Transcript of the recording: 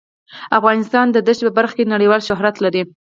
افغانستان د دښتې په برخه کې نړیوال شهرت لري.